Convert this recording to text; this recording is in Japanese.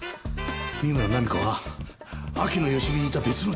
三村菜実子は秋野芳美に似た別の女性を殺害した。